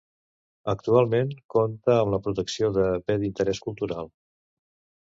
Actualment, compta amb la protecció de Bé d'Interés Cultural.